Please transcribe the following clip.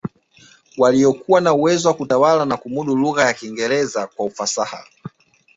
Waliokuwa na uwezo wa kutawala na kumudu lugha ya Kiingereza kwa ufasaha